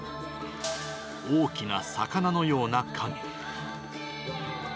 大きな魚のような影。